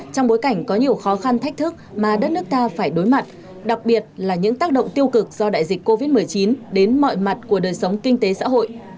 trong bối cảnh có nhiều khó khăn thách thức mà đất nước ta phải đối mặt đặc biệt là những tác động tiêu cực do đại dịch covid một mươi chín đến mọi mặt của đời sống kinh tế xã hội